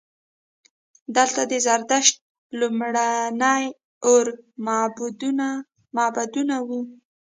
دلته د زردشت لومړني اور معبدونه وو